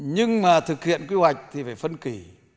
nhưng mà thực hiện quy hoạch thì phải phân kỷ